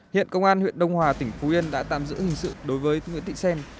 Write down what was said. hiện công an huyện đông hòa tỉnh phú yên đã tạm giữ hình sự đối với nguyễn thị xen